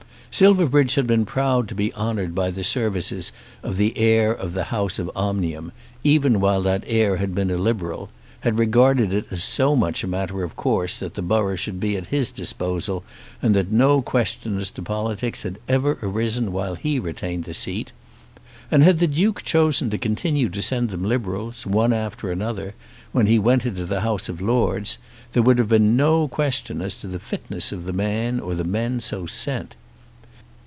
Silverbridge had been proud to be honoured by the services of the heir of the house of Omnium, even while that heir had been a Liberal, had regarded it as so much a matter of course that the borough should be at his disposal that no question as to politics had ever arisen while he retained the seat. And had the Duke chosen to continue to send them Liberals, one after another, when he went into the House of Lords, there would have been no question as to the fitness of the man or men so sent.